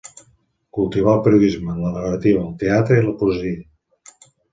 Cultivà el periodisme, la narrativa, el teatre i la poesia.